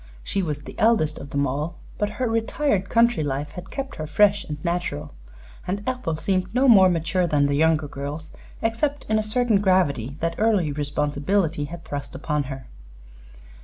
She was the eldest of them all, but her retired country life had kept her fresh and natural, and Ethel seemed no more mature than the younger girls except in a certain gravity that early responsibility had thrust upon her.